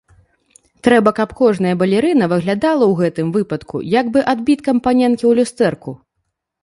Трэба, каб кожная балерына выглядала ў гэтым выпадку як бы адбіткам паненкі ў люстэрку.